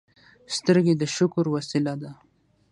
سترګې د شکر وسیله ده